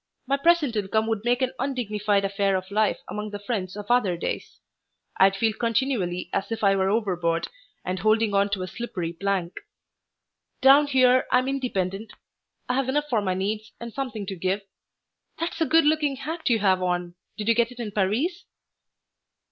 My present income would make an undignified affair of life among the friends of other days. I'd feel continually as if I were overboard and holding on to a slippery plank. Down here I'm independent. I have enough for my needs and something to give . That's a good looking hat you have on. Did you get it in Paris?"